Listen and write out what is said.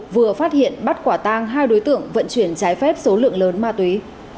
vừa phát hiện bắt quả tang hai đối tượng vận chuyển trái phép số lượng lớn ma túy